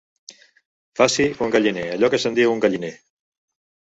Faci un galliner, allò que se'n diu un galliner